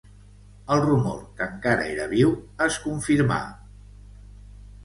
El rumor, que encara era viu, es confirmà.